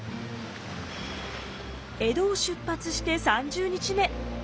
江戸を出発して３０日目。